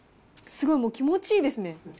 すごいもう、気持ちいいですね。